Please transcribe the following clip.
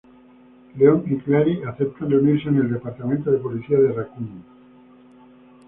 Leon y Claire aceptan reunirse en el Departamento de Policía de Raccoon.